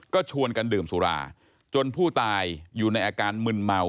ก็ชวนกันดื่มสุราจนผู้ตายอยู่ในอาการมึนเมา